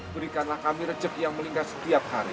berikanlah kami rezeki yang melingkar setiap hari